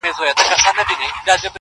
• د ژوند معنا ګډوډه کيږي تل,